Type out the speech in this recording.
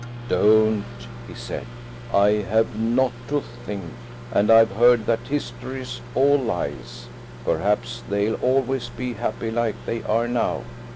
"Don't!" he said. "I have not to think. And I've heard that history's all lies. Perhaps they'll always be happy like they are now.